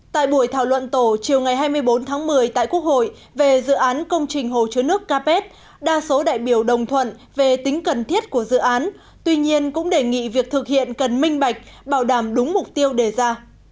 tại buổi thảo luận tổ chiều ngày hai mươi bốn tháng một mươi tại quốc hội về dự án công trình hồ chứa nước capet đa số đại biểu đồng thuận về tính cần thiết của dự án tuy nhiên cũng đề nghị việc thực hiện cần minh bạch bảo đảm đúng mục tiêu đề ra